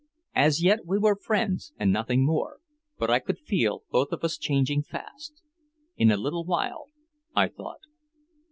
As yet we were friends and nothing more, but I could feel both of us changing fast. "In a little while," I thought.